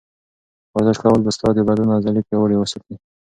ورزش کول به ستا د بدن عضلې پیاوړې وساتي.